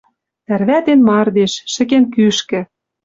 Тӓрвӓтен мардеж, шӹкен кӱшкӹ.